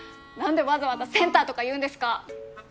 んでわざわざセンターとか言うんですか？